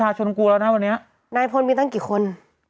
ไหนพูดแล้วนะภูมิเนี้ยไม่ตั้งกี่คน